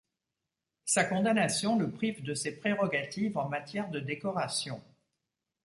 Sa condamnation le prive de ses prérogatives en matière de décorations.